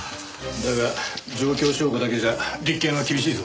だが状況証拠だけじゃ立件は厳しいぞ。